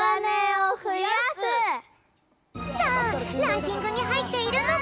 さあランキングにはいっているのか？